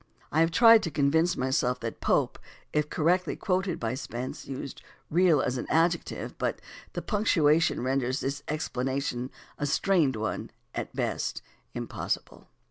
I have tried to convince myself that Pope, if correctly quoted by Spence, used "real" as an adjective, but the punctuation renders this explanation, a strained one at best, impossible.